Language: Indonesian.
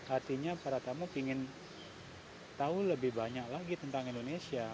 artinya para tamu ingin tahu lebih banyak lagi tentang indonesia